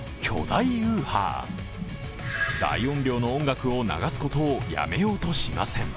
大音量の音楽を流すことをやめようとしません。